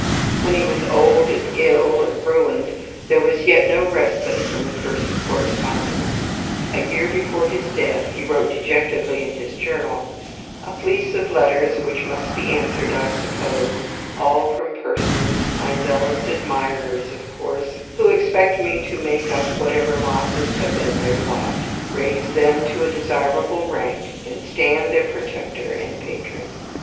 When he was old, and ill, and ruined, there was yet no respite from the curse of correspondents. A year before his death he wrote dejectedly in his journal: "A fleece of letters which must be answered, I suppose; all from persons my zealous admirers, of course who expect me to make up whatever losses have been their lot, raise them to a desirable rank, and stand their protector and patron.